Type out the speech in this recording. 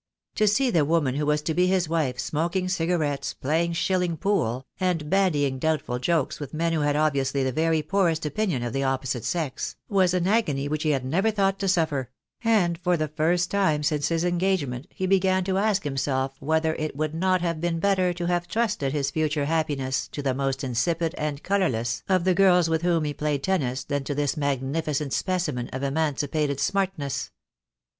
To see the woman who was to be his wife smoking cigarettes, playing shilling pool, and bandying doubtful jokes with men who had obviously the very poorest opinion of the opposite sex, was an agony which he had never thought to suffer; and for the first time since his engagement he' THE DAY WILL COME. I 7 asked himself whether it would not have been better to have trusted his future happiness to the most insipid and colourless of the girls with whom he played tennis than to this magnificent specimen of emancipated smartness.